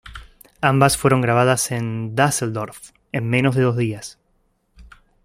Ambas fueron grabadas en Düsseldorf en menos de dos días.